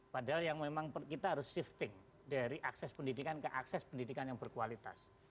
padahal yang memang kita harus shifting dari akses pendidikan ke akses pendidikan yang berkualitas